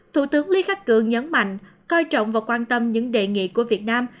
thủ tướng lý khắc cường nhấn mạnh coi trọng và quan tâm những đề nghị của việt nam